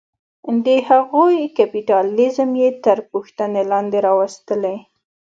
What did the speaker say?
د هغوی کیپیټالیزم یې تر پوښتنې لاندې راوستلې.